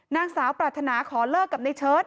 นางสาวปรารถนาขอเลิกกับในเชิด